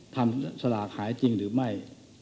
สลากหายจริงหรือไม่